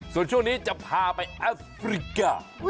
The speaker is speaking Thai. ส่วนช่วงนี้จะพาไปแอฟริกา